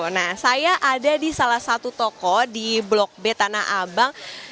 nah saya ada di salah satu toko di blok b tanah abang